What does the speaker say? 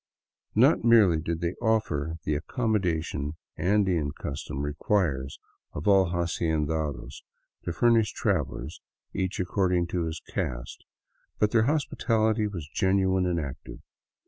Not merely did they offer the accommodation Andean custom requires all hacendados to furnish travelers, each according to his caste, but their hospitality was genuine and active.